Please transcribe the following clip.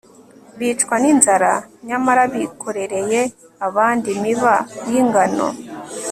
bicwa n'inzara nyamara bikorereye abandi imiba y'ingano